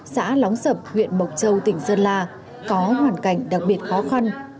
xã lóng sập huyện mộc châu tỉnh sơn la có hoàn cảnh đặc biệt khó khăn